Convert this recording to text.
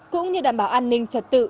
cũng như đảm bảo an ninh cho người dân